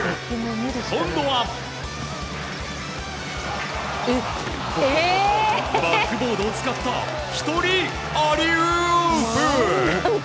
今度はバックボードを使った１人アリウープ！